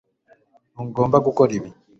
Ntugomba gukora ibi